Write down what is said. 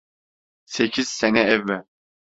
Sekiz sene evvel…